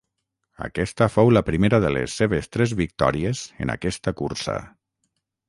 Aquesta fou la primera de les seves tres victòries en aquesta cursa.